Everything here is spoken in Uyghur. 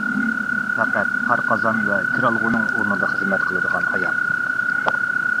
پەقەت پار قازان ۋە كىرئالغۇنىڭ ئورنىدا خىزمەت قىلىدىغان ئايال.